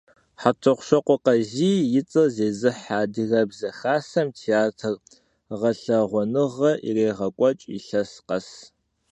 ХьэтӀохъущокъуэ Къазий и цӀэр зезыхьэ Адыгэбзэ хасэм театр гъэлъэгъуэныгъэ ирегъэкӀуэкӀ илъэс къэс.